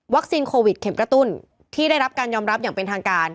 โควิดเข็มกระตุ้นที่ได้รับการยอมรับอย่างเป็นทางการ